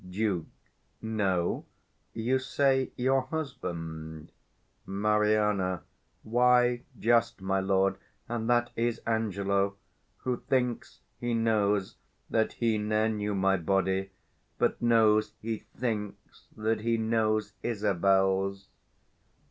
Duke. No? you say your husband. Mari. Why, just, my lord, and that is Angelo, 200 Who thinks he knows that he ne'er knew my body, But knows he thinks that he knows Isabel's.